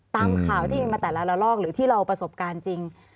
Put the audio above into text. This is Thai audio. ตามข่าวที่มีมาแต่ละราลองหรือที่เราเอาประสบการณ์จริง